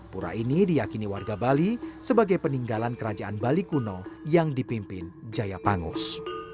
pura ini diyakini warga bali sebagai peninggalan kerajaan bali kuno yang dipimpin jaya pangus